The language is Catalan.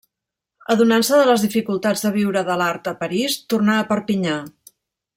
Adonant-se de les dificultats de viure de l'art a París, tornà a Perpinyà.